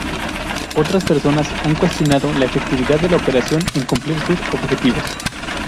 Otras personas han cuestionado la efectividad de la operación en cumplir sus objetivos.